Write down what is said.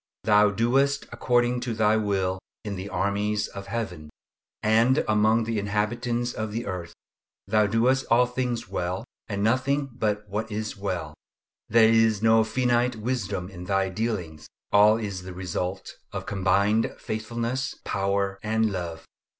Thou doest according to Thy will in the armies of Heaven, and among the inhabitants of the earth! Thou doest all things well, and nothing but what is well. There is no finite wisdom in Thy dealings. All is the result of combined faithfulness, power, and love.